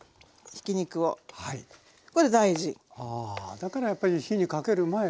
だからやっぱり火にかける前ということ。